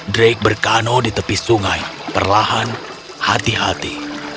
drake berkano di tepi sungai perlahan hati hati